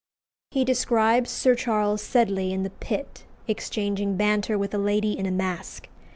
He describes Sir Charles Sedley, in the pit, exchanging banter with a lady in a mask.